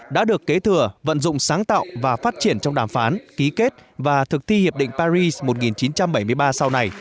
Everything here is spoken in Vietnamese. đã được kế thừa vận dụng sáng tạo và phát triển trong đàm phán ký kết và thực thi hiệp định paris một nghìn chín trăm bảy mươi ba sau này